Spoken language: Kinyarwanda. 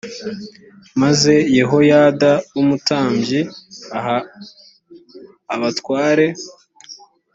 maze yehoyada w umutambyi aha abatware